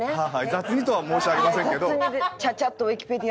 「雑に」とは申し上げませんけど。